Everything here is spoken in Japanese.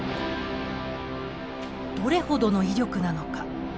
どれほどの威力なのか。